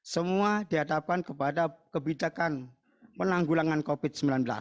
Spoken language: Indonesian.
semua dihadapkan kepada kebijakan penanggulangan covid sembilan belas